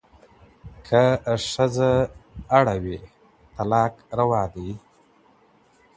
که ښځه اړ وي، طلاق روا دی.